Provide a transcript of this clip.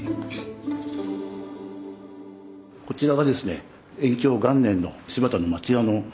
こちらがですね